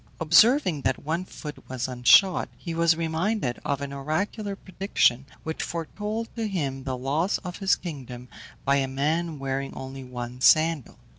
Observing that one foot was unshod, he was reminded of an oracular prediction which foretold to him the loss of his kingdom by a man wearing only one sandal.